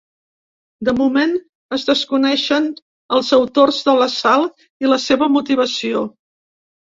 De moment es desconeixen els autors de l’assalt i la seva motivació.